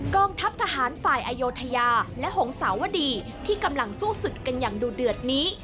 กองทัพทหารฝ่ายอโยธยาและหงสาวดีที่กำลังสู้ศึกกันอย่างดูเดือดนี้